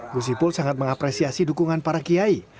gus ipul sangat mengapresiasi dukungan para kiai